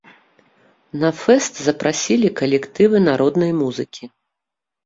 На фэст запрасілі калектывы народнай музыкі.